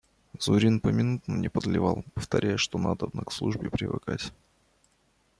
Зурин поминутно мне подливал, повторяя, что надобно к службе привыкать.